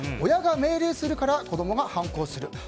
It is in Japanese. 親が命令するから子供が反抗する。